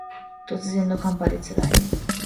突然の寒波で辛い